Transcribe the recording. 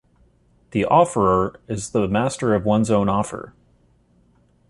The offeror is the master of one's own offer.